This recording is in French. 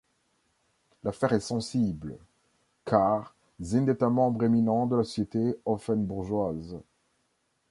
L'affaire est sensible, car Zind est un membre éminent de la société offenbourgeoise.